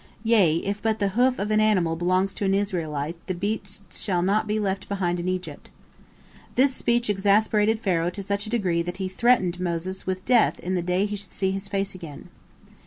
Yea, if but the hoof of an animal belongs to an Israelite, the beast shall not be left behind in Egypt." This speech exasperated Pharaoh to such a degree that he threatened Moses with death in the day he should see his face again.